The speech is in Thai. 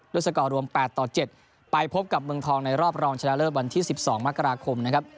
สกอร์รวม๘ต่อ๗ไปพบกับเมืองทองในรอบรองชนะเลิศวันที่๑๒มกราคมนะครับ